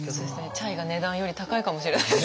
チャイが値段より高いかもしれない。